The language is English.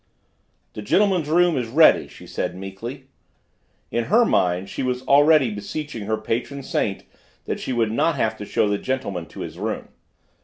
"The gentleman's room is ready," she said meekly. In her mind she was already beseeching her patron saint that she would not have to show the gentleman to his room.